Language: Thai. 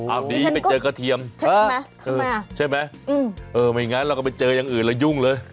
อ้าวดีไปเจอกระเทียมใช่ไหมไม่งั้นเราก็ไปเจออย่างอื่นแล้วยุ่งเลย